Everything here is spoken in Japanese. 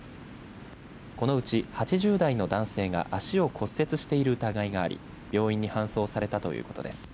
このうち８０代の男性が足を骨折している疑いがあり病院に搬送されたということです。